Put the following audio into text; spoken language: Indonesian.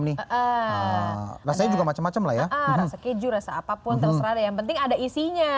nih rasanya juga macem macem lah ya rasa keju rasa apapun terserah yang penting ada isinya